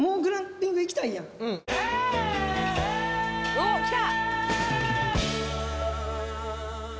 おっきた！